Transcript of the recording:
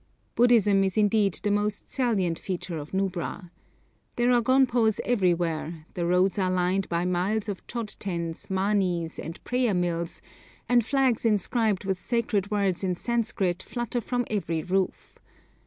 Buddhism is indeed the most salient feature of Nubra. There are gonpos everywhere, the roads are lined by miles of chod tens, manis, and prayer mills, and flags inscribed with sacred words in Sanskrit flutter from every roof.